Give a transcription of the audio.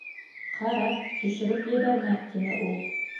— Ҡара, төшөрөп ебәрмә! — тине ул.